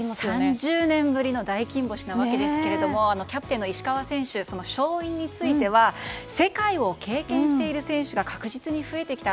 ３０年ぶりの大金星なわけですがキャプテンの石川選手勝因については世界を経験している選手が確実に増えてきた。